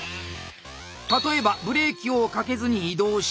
例えば「ブレーキをかけずに移動した」。